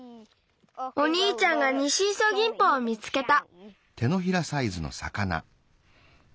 おにいちゃんがニシイソギンポを見つけた。